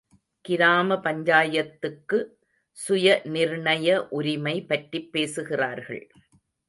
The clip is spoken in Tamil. கிராம பஞ்சாயத்துக்கு சுய நிர்ணய உரிமை பற்றிப் பேசுகிறார்கள்.